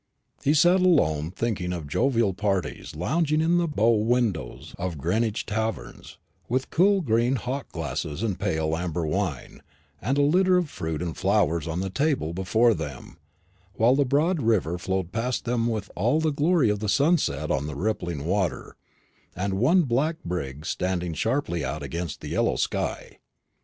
He had sat alone, thinking of jovial parties lounging in the bow windows of Greenwich taverns, with cool green hock glasses and pale amber wine, and a litter of fruit and flowers on the table before them, while the broad river flowed past them with all the glory of the sunset on the rippling water, and one black brig standing sharply out against the yellow sky.